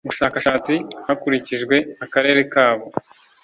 ubushakashatsi hakurikijwe akarere kabo